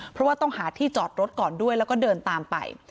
เพราะว่าต้องหาที่จอดรถก่อนด้วยแล้วก็เดินตามไป